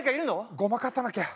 ごまかさなきゃ。